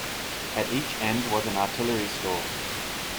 At each end was an artillery store.